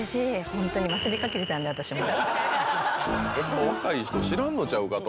ホンマ若い人知らんのちゃうかと。